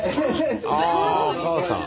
あお母さん。